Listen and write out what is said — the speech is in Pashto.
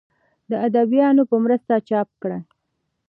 د اديبانو پۀ مرسته چاپ کړه